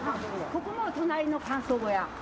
ここも隣の乾燥小屋。